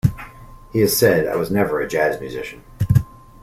He has said, I was never a jazz musician.